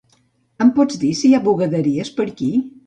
Em pots dir si hi ha bugaderies per aquí?